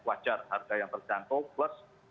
wajar harga yang terjangkau plus